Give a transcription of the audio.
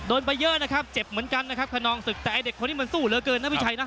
ไปเยอะนะครับเจ็บเหมือนกันนะครับคนนองศึกแต่ไอ้เด็กคนนี้มันสู้เหลือเกินนะพี่ชัยนะ